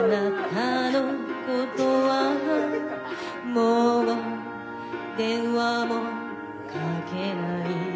「もう電話もかけない」